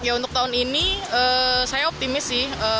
ya untuk tahun ini saya optimis sih